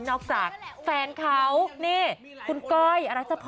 จากแฟนเขานี่คุณก้อยอรัชพร